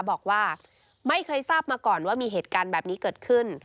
บอกว่าไม่เคยทราบมาก่อนว่ามีเหตุการณ์แบบนี้เกิดขึ้น